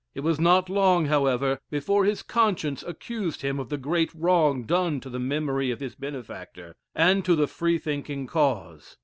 It was not long, however, before his conscience accused him of the great wrong done to the memory of his benefactor, and to the Free thinking cause.